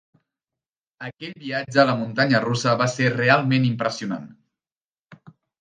Aquella viatge a la muntanya russa va ser realment impressionant.